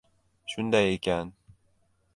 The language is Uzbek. — Shunday ekan.